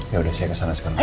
yaudah saya kesana sekarang